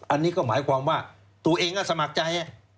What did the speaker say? อันนี้ก็หมายความว่าตัวเองก็สมัครใจ